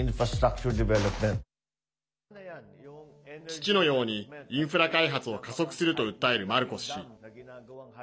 父のようにインフラ開発を加速すると訴えるマルコス氏。